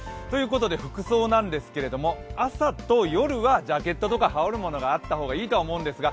服装なんですけれども、朝と夜はジャケット等、羽織るものがあった方がいいですよ。